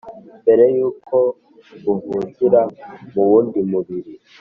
mbere y’uko buvukira mu wundi mubiri.